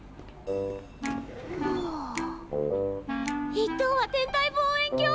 一等は天体望遠鏡！